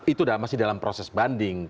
itu masih dalam proses banding